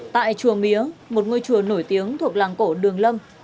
tại chùa mía một ngôi chùa nổi tiếng thuộc làng cổ đường lâm